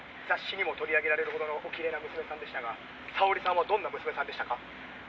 「雑誌にも取り上げられるほどのおきれいな娘さんでしたが沙織さんはどんな娘さんでしたか？」